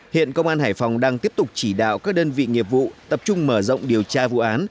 hiện công an hải phòng đang tiếp tục chỉ đạo các đơn vị nghiệp vụ tập trung mở rộng điều tra vụ án